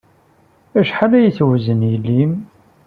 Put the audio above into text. Acḥal ay tewzen yelli-m?